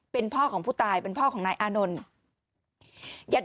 เป็นพ่อของผู้ตายเป็นพ่อของนายอานนท์